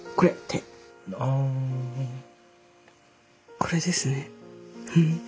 これですね。